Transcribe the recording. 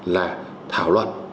là thảo luận